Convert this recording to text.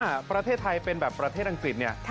ถ้าประเทศไทยเป็นแบบประเทศอังกฤษเนี่ย